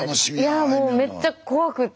いやもうめっちゃ怖くって。